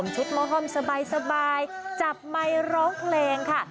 มะห้อมสบายจับไมค์ร้องเพลงค่ะ